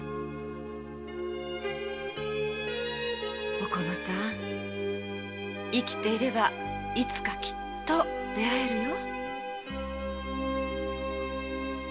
おこのさん生きていればいつかきっと出会えるよ。